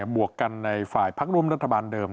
วกกันในฝ่ายพักร่วมรัฐบาลเดิม